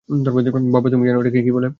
বাবা, তুমি জানো এটাকে কী বলে?